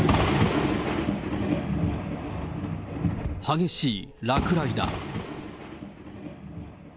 激しい落雷だ。